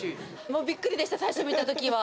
もうびっくりでした、最初見たときは。